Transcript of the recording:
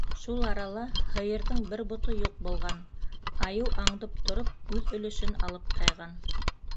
Шул арала һыйырҙың бер бото юҡ булған - айыу, аңдып тороп, үҙ өлөшөн алып тайған.